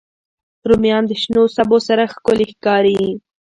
رومیان د شنو سبو سره ښکلي ښکاري